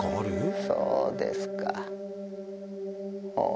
そうですかほお。